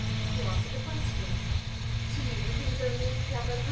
You answered the question. To you, he was only a clever brute.